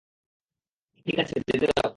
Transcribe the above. ঠিক আছে, যেতে দাও।